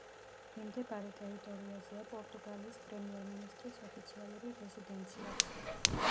მიმდებარე ტერიტორიაზეა პორტუგალიის პრემიერ მინისტრის ოფიციალური რეზიდენციაც.